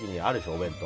お弁当。